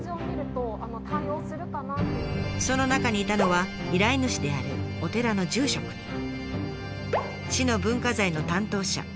その中にいたのは依頼主であるお寺の住職に市の文化財の担当者